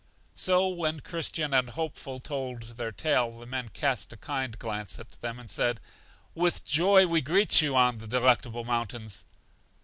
So when Christian and Hopeful told their tale, the men cast a kind glance at them, and said: With joy we greet you on The Delectable Mountains!